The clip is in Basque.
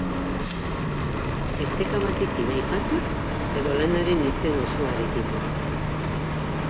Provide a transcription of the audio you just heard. esteka batekin aipatu edo lanaren izen osoarekin.